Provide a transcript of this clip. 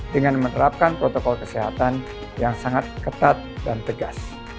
dengan menerapkan protokol kesehatan yang sangat ketat dan tegas